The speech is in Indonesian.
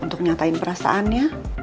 untuk nyatain perasaannya